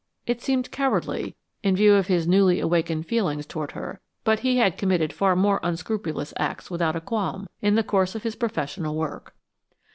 It seemed cowardly, in view of his newly awakened feelings toward her, but he had committed far more unscrupulous acts without a qualm, in the course of his professional work.